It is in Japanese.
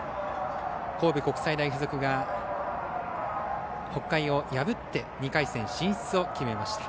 神戸国際大付属が北海を破って２回戦進出を決めました。